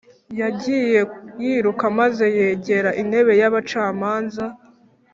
yagiye yiruka maze yegera intebe y’abacamanza